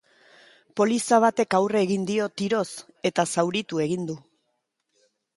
Poliza batek aurre egin dio, tiroz, eta zauritu egin du.